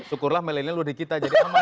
syukurlah milenial udah di kita jadi aman